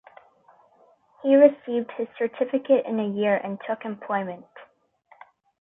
He received his certificate in a year and took employment.